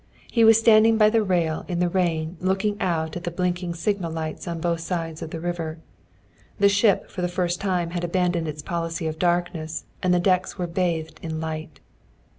He was standing by the rail in the rain looking out at the blinking signal lights on both sides of the river. The ship for the first time had abandoned its policy of darkness and the decks were bathed in light.